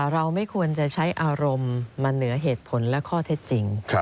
เราไม่ควรจะใช้อารมณ์มาเหนือเหตุผลและข้อเท็จจริง